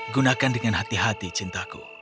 gunakan dengan hati hati cintaku